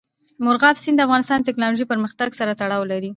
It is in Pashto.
مورغاب سیند د افغانستان د تکنالوژۍ پرمختګ سره تړاو لري.